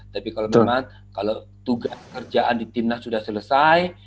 tapi kalau memang kalau tugas kerjaan di timnas sudah selesai